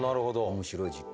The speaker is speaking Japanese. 面白い実験。